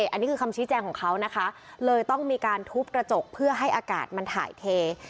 อันนี้คือคำชี้แจงของเขานะคะเลยต้องมีการทุบกระจกเพื่อให้อากาศมันถ่ายเท